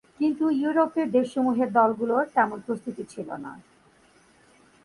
কিন্তু ইউরোপের দেশসমূহের দলগুলোর তেমন প্রস্তুতি ছিল না।